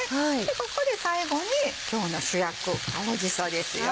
ここで最後に今日の主役青じそですよ。